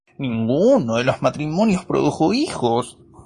Ninguno de los matrimonios produjo hijos.